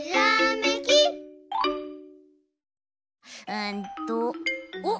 うんとおっ！